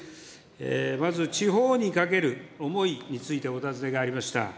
まず地方にかける思いについてお尋ねがありました。